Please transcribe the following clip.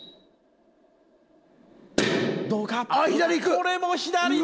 これも左だ！